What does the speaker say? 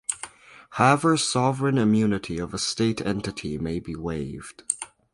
However, sovereign immunity of a state entity may be waived.